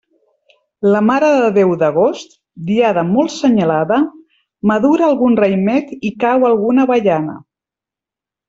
La Mare de Déu d'agost, diada molt senyalada; madura algun raïmet i cau alguna avellana.